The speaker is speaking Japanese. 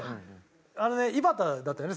あのね井端だったよね